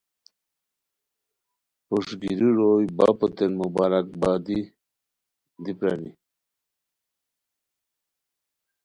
پروشٹ گیرو روئے بپو تین مبارکبادی پرانی